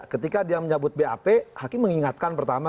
ketika dia menjabut bap haki mengingatkan pertama